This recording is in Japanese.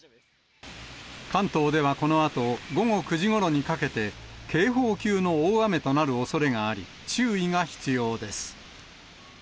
関東ではこのあと、午後９時ごろにかけて、警報級の大雨となるおそれがあり、注意が必要です。